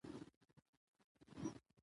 اداري اصول د عدالت لپاره دي.